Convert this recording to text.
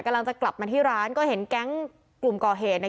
กำลังจะกลับมาที่ร้านก็เห็นแก๊งกลุ่มก่อเหตุเนี่ย